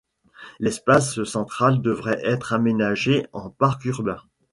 L'espace central devrait être aménagé en parc urbain.